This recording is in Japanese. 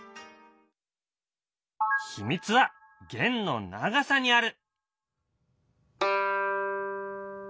秘密は弦の長さにある。